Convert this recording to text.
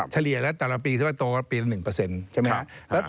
เฉลี่ยแล้วแต่ละปีที่ว่าโตปีละ๑ใช่ไหมครับ